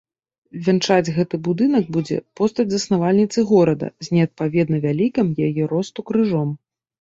Вянчаць гэты будынак будзе постаць заснавальніцы горада з неадпаведна вялікім яе росту крыжом.